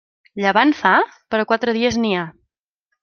Llevant fa?, per a quatre dies n'hi ha.